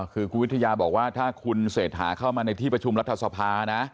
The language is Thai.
คือคุณวิทยาบอกว่าถ้าคุณเศรษฐาเข้ามาในที่ประชุมรัฐสภานะ